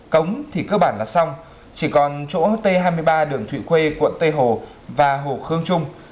cống thì cơ bản là xong chỉ còn chỗ t hai mươi ba đường thụy khuê quận tây hồ và hồ khương trung